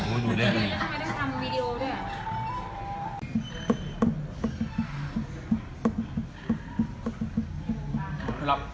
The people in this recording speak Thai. แล้วก็ไม่ได้ทำวีดีโอด้วย